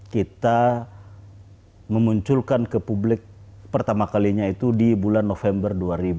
kita memunculkan ke publik pertama kalinya itu di bulan november dua ribu dua puluh